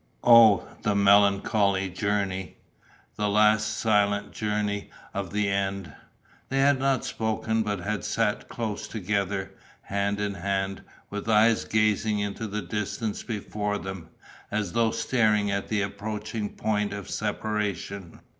Oh, the melancholy journey, the last silent journey of the end! They had not spoken but had sat close together, hand in hand, with eyes gazing into the distance before them, as though staring at the approaching point of separation.